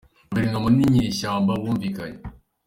Guverinoma n’inyeshyamba bumvikanye